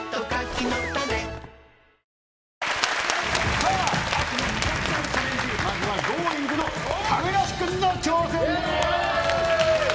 さあ、秋の味覚狩りチャレンジ、まずはＧｏｉｎｇ！の亀梨君の挑戦です。